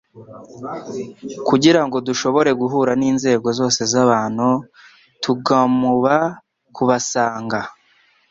Kugira ngo dushobore guhura n'inzego zose z'abantu tugmuba kubasanga.